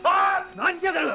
何しやがる！